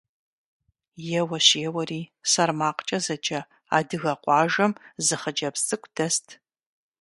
Еуэщ-еуэри СэрмакъкӀэ зэджэ адыгэ къуажэм зы хъыджэбз цӀыкӀу дэст.